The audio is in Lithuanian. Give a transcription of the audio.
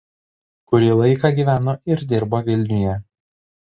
Kurį laiką gyveno ir dirbo Vilniuje.